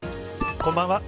こんばんは。